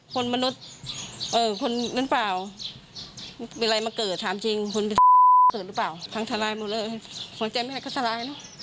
คนมนุษย์คนเปลี่ยนเขลียนเปล่ามีอะไรมาเกิดถามจริงคู่ท่างแทรภอ่อนหรือเปล่า